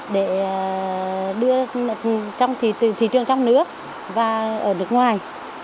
để đưa trong thị trường trong nước và ở nước ngoài